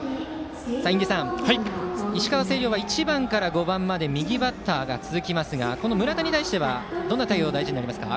印出さん、石川・星稜は１番から５番まで右バッターですがこの村田に対してはどんな対応が大事になりますか？